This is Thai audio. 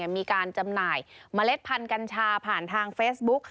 มีการจำหน่ายเมล็ดพันธุ์กัญชาผ่านทางเฟซบุ๊ก